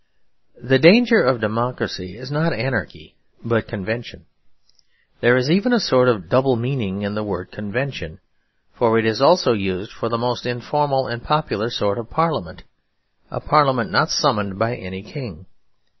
The danger of democracy is not anarchy but convention. There is even a sort of double meaning in the word 'convention'; for it is also used for the most informal and popular sort of parliament; a parliament not summoned by any king.